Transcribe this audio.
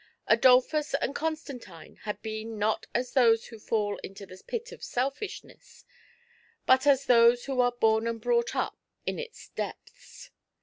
Adolphus and Constantine had been not as those who fall into the pit of Selfish ness, but as those who are bom and brought up in its depths.